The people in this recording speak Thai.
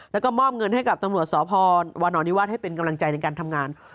แล้วก็มอบเงินให้กับตำรวจสพวานอนิวาสให้เป็นกำลังใจในการทำงาน